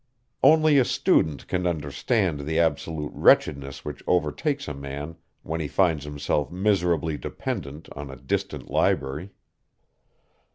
Only a student can understand the absolute wretchedness which overtakes a man when he finds himself miserably dependent on a distant library.